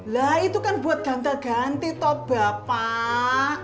lah itu kan buat ganteng ganti toh bapak